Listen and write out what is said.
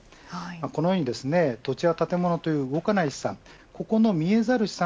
このように土地や建物という動かない資産